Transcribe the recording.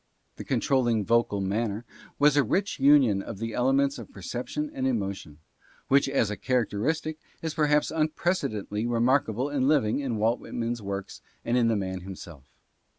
The controlling vocal manner was a rich union of the elements of perception and emotion, which as a characteristic is perhaps unprecedentedly remarkable and living in Walt Whitman's works and in the man himself.